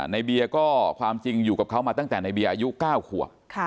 ในเบียร์ก็ความจริงอยู่กับเขามาตั้งแต่ในเบียร์อายุ๙ขวบ